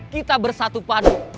kita bersatu padu